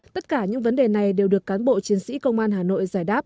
tất cả những vấn đề này đều được cán bộ chiến sĩ công an hà nội giải đáp